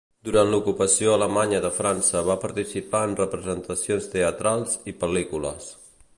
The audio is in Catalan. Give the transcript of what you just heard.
Durant l'ocupació alemanya de França va participar en representacions teatrals i pel·lícules.